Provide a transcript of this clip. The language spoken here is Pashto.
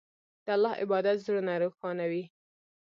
د الله عبادت زړونه روښانوي.